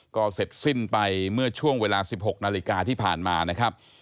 ก็เสร็จสิ้นไปเมื่อช่วงเวลา๑๖นาฬิกาที่ผ่านมานะครับ